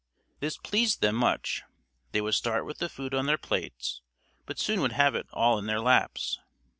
This pleased them much. They would start with the food on their plates but soon would have it all in their laps.